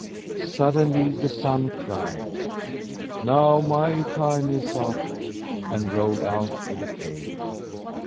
Suddenly the Sun cried: "Now my time is up!" and rolled out of the cave.